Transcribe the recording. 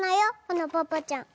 このぽぽちゃん。